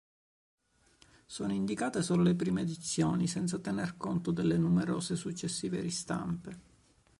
Sono indicate solo le prime edizioni senza tener conto delle numerose successive ristampe.